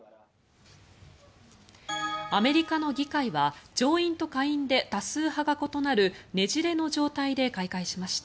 アメリカの議会は上院と下院で多数派が異なるねじれの状態で開会しました。